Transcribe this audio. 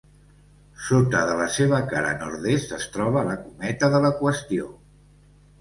Sota de la seva cara nord-est es troba la Cometa de la Qüestió.